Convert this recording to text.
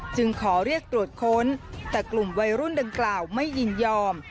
จึงขอเรียกตรวจค้นแต่กลุ่มวัยรุ่นดังกล่าวไม่ยินยอม